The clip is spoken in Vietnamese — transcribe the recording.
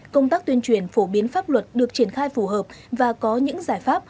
công tác tuyên truyền phổ biến pháp luật được triển khai phù hợp và có những giải pháp